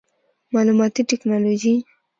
معلوماتي ټکنالوجي